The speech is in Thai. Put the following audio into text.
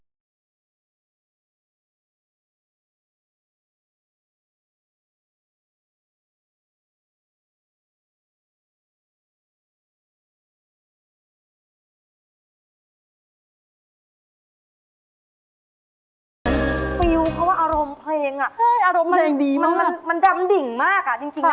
ก็มีรู้สึกเหมือนของอารมณ์เพลงอ่ะใช่อารมณ์เพลงดีมากมันดำดิ่งมากจริงนะ